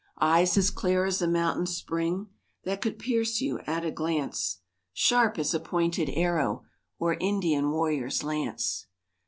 Eyes as clear as a mountain spring That could pierce you at a glance, Sharp as a pointed arrow Or Indian warrior's lance.